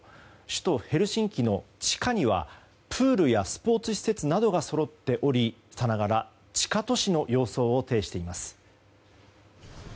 首都ヘルシンキの地下にはプールやスポーツ施設などがそろっておりさながら地下都市の様相を呈しています。